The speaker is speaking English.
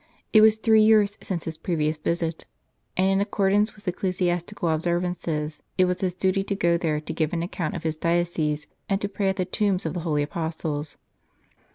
It was three years since his previous visit, and, in accordance with ecclesias tical observances, it was his duty to go there to give an account of his diocese and to pray at the tombs of the holy Apostles.